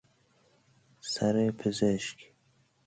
سر پزشک